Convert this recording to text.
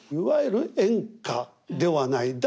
いわゆる演歌ではない。